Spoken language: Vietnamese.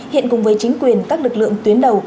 hiện cùng với chính quyền các lực lượng tuyến đầu